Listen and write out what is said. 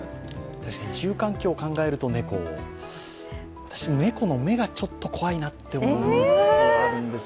確かに住環境を考えると猫だし、私、猫の目がちょっと怖いなと思うところがあるんですよ。